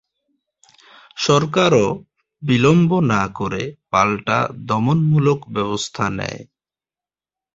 সরকারও বিলম্ব না করে পাল্টা দমনমূলক ব্যবস্থা নেয়।